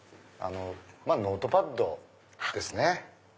ノートパッドですね。